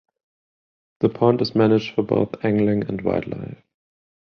The pond is managed for both angling and wildlife.